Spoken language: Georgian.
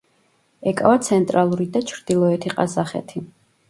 ეკავა ცენტრალური და ჩრდილოეთი ყაზახეთი.